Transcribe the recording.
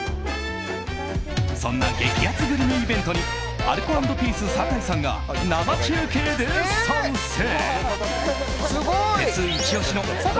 そんな激アツグルメイベントにアルコ＆ピース酒井さんが生中継で参戦。